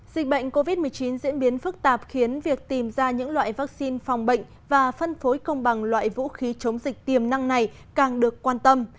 dịch bệnh covid một mươi chín diễn biến phức tạp khiến việc tìm ra những loại vaccine phòng bệnh và phân phối công bằng loại vũ khí chống dịch tiềm năng này càng được quan tâm